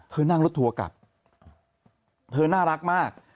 เธอนั่งรถทัวร์กลับเธอน่ารักมาก